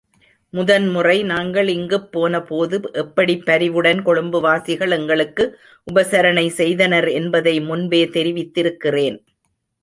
முதன் முறை நாங்கள் இங்குப் போனபோது எப்படிப் பரிவுடன் கொழும்புவாசிகள் எங்களுக்கு உபசரணை செய்தனர் என்பதை முன்பே தெரிவித்திருக்கிறேன்.